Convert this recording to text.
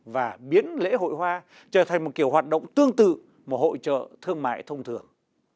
và biến lễ hội hoa trở thành một kiểu hoạt động tương tự một hội trợ thương mại thông thường